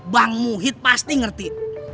bang muhyidd pasti ngerti